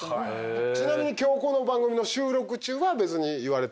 ちなみにこの番組の収録中は別に言われてなかった？